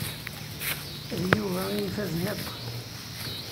D Yuba i ifazen akk.